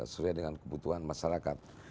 sesuai dengan kebutuhan masyarakat